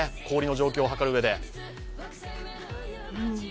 氷の状況をはかるうえで。